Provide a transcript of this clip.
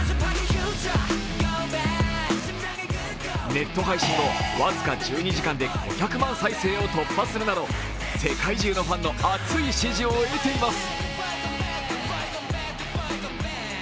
ネット配信後、僅か１２時間で５００万再生を突破するなど世界中のファンの熱い支持を得ています。